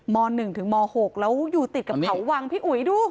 ม๑ถึงม๖แล้วอยู่ติดกับเขาวังพี่อุ๋ยดู